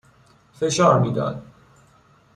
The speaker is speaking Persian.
فشار می داد